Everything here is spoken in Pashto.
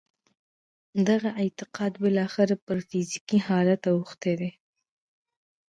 دغه اعتقاد بالاخره پر فزیکي حالت اوښتی دی